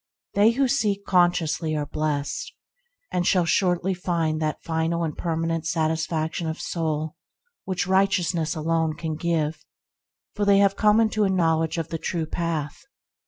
They who seek con sciously are blessed, and shall shortly find the final and permanent satisfaction of soul that righteousness alone can give; for they have come into a knowledge of the true path.